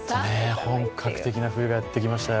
本格的な冬がやってきましたよ。